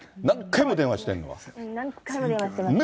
何回も電話してる。